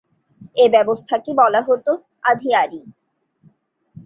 এ ব্যবস্থাকে বলা হতো 'আধিয়ারী'।